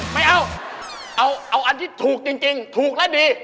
ไม่เอาเอาอันที่ถูกจริงถูกและดี